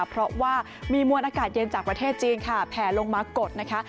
เพราะว่ามีมวลอากาศเย็นจากประเทศจีนค่ะแผ่ลงมากดนะคะ